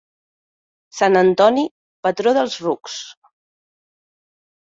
Sant Antoni, patró dels rucs.